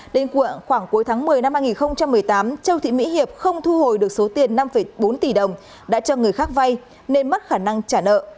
đến cuộng khoảng cuối tháng một mươi năm hai nghìn một mươi tám châu thị mỹ hiệp không thu hồi được số tiền năm bốn tỷ đồng đã cho người khác vay nên mất khả năng trả nợ